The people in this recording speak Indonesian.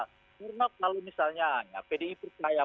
karena kalau misalnya ya pdi percaya